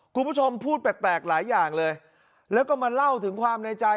คุณผู้ชมพูดแปลกหลายอย่างเลยแล้วก็มาเล่าถึงความในใจ